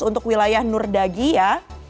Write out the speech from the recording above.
untuk wilayah nurdagi ya